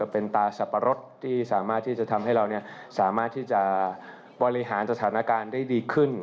เป็นตาสับปะรดที่สามารถที่จะทำให้เราสามารถที่จะบริหารสถานการณ์ได้ดีขึ้น